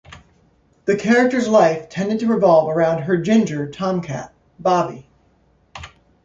The character's life tended to revolve around her ginger tom-cat, Bobby.